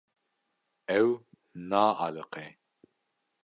Ew naaliqe.